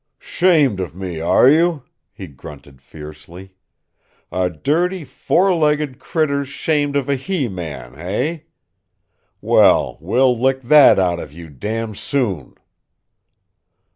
"Shamed of me, are you?" he grunted fiercely. "A dirty four legged critter's 'shamed of a he man, hey? Well, we'll lick that out of you, dam' soon!"